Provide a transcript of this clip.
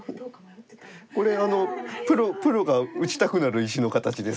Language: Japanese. これプロが打ちたくなる石の形です。